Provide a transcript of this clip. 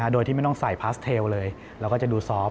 โดยที่ไม่ต้องใส่พาสเทลเลยเราก็จะดูซอฟต